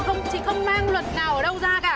còn chị không mang luận nào ở đâu ra cả